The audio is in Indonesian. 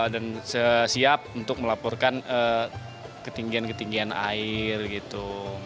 dan siap untuk melaporkan ketinggian ketinggian air gitu